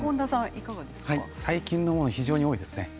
最近のものは非常に多いですね。